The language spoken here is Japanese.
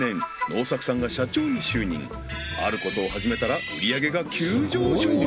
能作さんが社長に就任あることを始めたら売上げが急上昇